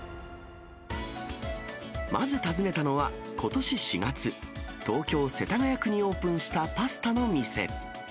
まず訪ねたのは、ことし４月、東京・世田谷区にオープンしたパスタの店。